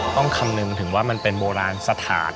คำนึงถึงว่ามันเป็นโบราณสถาน